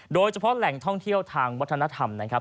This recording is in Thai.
โดยเฉพาะแหล่งท่องเที่ยวทางวัฒนธรรมนะครับ